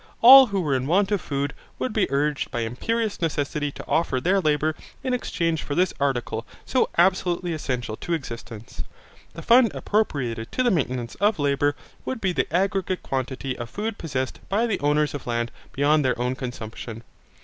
All who were in want of food would be urged by imperious necessity to offer their labour in exchange for this article so absolutely essential to existence. The fund appropriated to the maintenance of labour would be the aggregate quantity of food possessed by the owners of land beyond their own consumption.